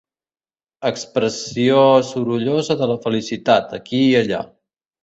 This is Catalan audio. Expressió sorollosa de la felicitat, aquí i allà.